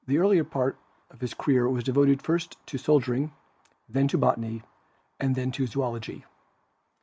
The earlier part of his career was devoted first to soldier ing, then to Botany and then to Zoology.